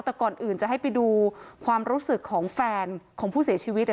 แต่ก่อนอื่นจะให้ไปดูความรู้สึกของแฟนของผู้เสียชีวิต